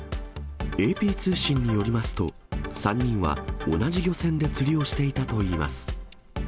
ＡＰ通信によりますと、３人は同じ漁船で釣りをしていたといいます。